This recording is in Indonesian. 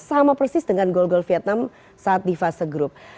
sama persis dengan gol gol vietnam saat di fase grup